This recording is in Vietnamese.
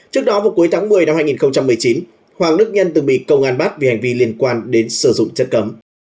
trước đó vào cuối tháng một mươi năm hai nghìn một mươi chín hoàng đức nhân từng bị công an bắt vì hành vi liên quan đến sử dụng chất cấm